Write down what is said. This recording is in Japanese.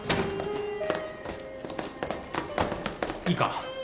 いいか？